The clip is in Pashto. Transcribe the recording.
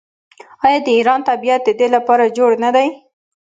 آیا د ایران طبیعت د دې لپاره جوړ نه دی؟